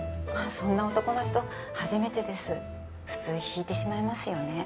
そんな男の人初めてです普通引いてしまいますよね